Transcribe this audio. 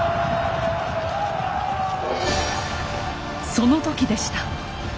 その時でした。